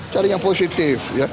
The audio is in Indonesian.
cari yang positif